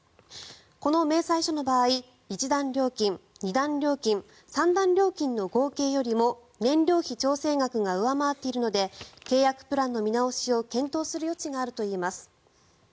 この明細書の場合、１段料金２段料金、３段料金の合計よりも燃料費調整額が上回っているので契約プランの見直しを検討する余地があるといえます。